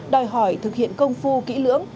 đòi hỏi thực hiện công phu kỹ lưỡng